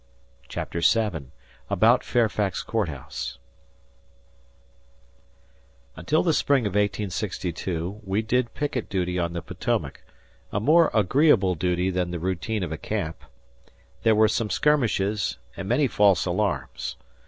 CHAPTER VII ABOUT FAIRFAX COURT HOUSE UNTIL the spring of 1862 we did picket duty on the Potomac, a more agreeable duty than the routine of a camp. There were some skirmishes and many false alarms.